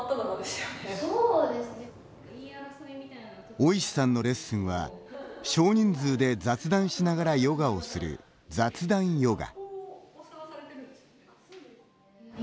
尾石さんのレッスンは少人数で雑談しながらヨガをする雑談ヨガ。